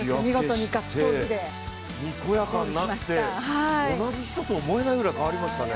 にこやかになって、同じ人と思えないぐらい変わりますね。